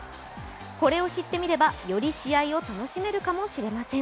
これを知って見れば、より試合を楽しめるかもしれません。